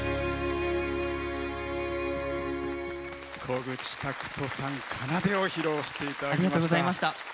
小口拓利さん「奏」を披露していただきました。